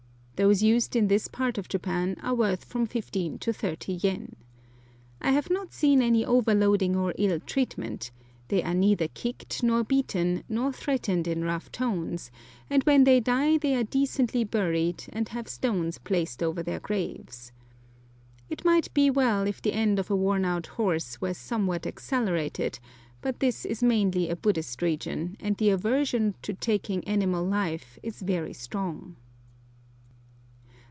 Those used in this part of Japan are worth from 15 to 30 yen. I have not seen any overloading or ill treatment; they are neither kicked, nor beaten, nor threatened in rough tones, and when they die they are decently buried, and have stones placed over their graves. It might be well if the end of a worn out horse were somewhat accelerated, but this is mainly a Buddhist region, and the aversion to taking animal life is very strong.